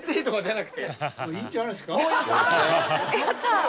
やった！